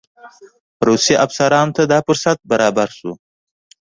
روسي افسرانو ته دا فرصت برابر شوی وو.